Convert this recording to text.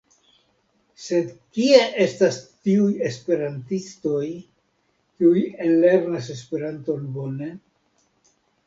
Sed kie estas tiuj esperantistoj kiuj ellernas Esperanton bone?